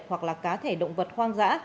hoặc là cá thể động vật hoang dã